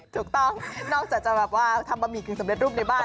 ถูกต้องนอกจากจะแบบว่าทำบะหมี่กึ่งสำเร็จรูปในบ้าน